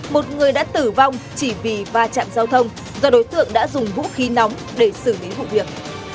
một người đã tử vong chỉ vì va chạm giao thông do đối tượng đã dùng vũ khí nóng để xử lý vụ việc